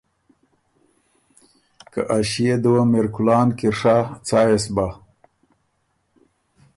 که ”ا ݭيې دُوّه م اِر کُلان کی ڒَۀ څا يې سو بۀ؟“